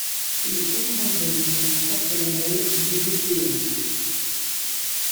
C'est le premier album pour leur propre label dBpm.